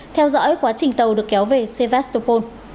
theo dõi quá trình tàu được kéo về sevastopol